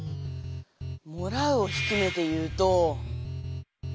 「もらう」を低めて言うと。